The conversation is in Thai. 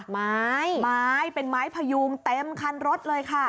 ไม้ไม้เป็นไม้พยูงเต็มคันรถเลยค่ะ